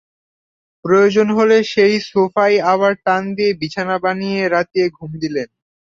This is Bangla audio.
প্রয়োজন হলে সেই সোফাই আবার টান দিয়ে বিছানা বানিয়েই রাতের ঘুম দিলেন।